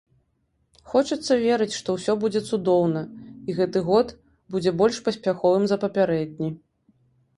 Хочацца верыць, што ўсё будзе цудоўна, і гэты год будзе больш паспяховым за папярэдні.